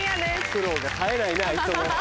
苦労が絶えないねあいつも。